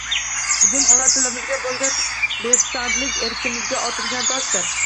Bugun ona tilimizga boʻlgan bepisandlik erkimizga otilgan toshdir.